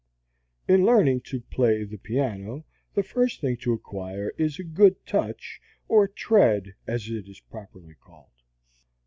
In learning to play the piano, the first thing to acquire is a good touch, or tread (as it is properly called).